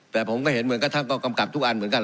แต่ผมก็เห็นเหมือนกับท่านก็กำกับทุกอันเหมือนกัน